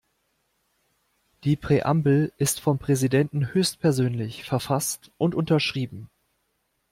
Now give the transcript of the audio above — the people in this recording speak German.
Die Präambel ist vom Präsidenten höchstpersönlich verfasst und unterschrieben.